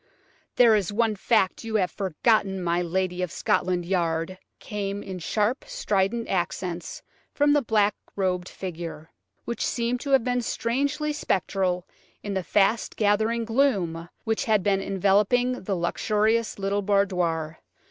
"There is one fact you have forgotten, my lady of Scotland Yard," came in sharp, strident accents from the black robed figure, which seemed to have become strangely spectral in the fast gathering gloom which had been enveloping the luxurious little boudoir.